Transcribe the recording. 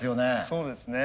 そうですね。